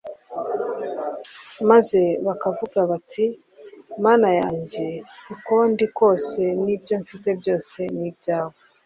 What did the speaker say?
maze bakavuga bati : Mana yanjye uko ndi kose n'ibyo mfite byose ni ibyawe.